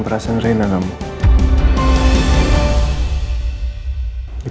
harus jaga diri